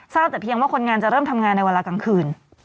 แต่เพียงว่าคนงานจะเริ่มทำงานในเวลากลางคืน